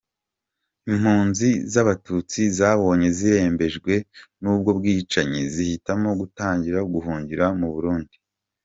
Impunzi z’Abatutsi zabonye zirembejwe n’ubwo bwicanyi zihitamo gutangira guhungira mu Burundi.